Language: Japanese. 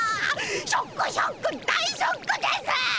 ショックショック大ショックです！